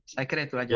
saya kira itu aja pak